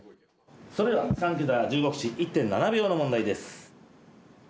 それでは３桁１５口１．７秒の問題です。